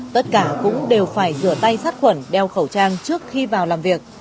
tất cả cũng đều phải rửa tay sát khuẩn đeo khẩu trang trước khi vào làm việc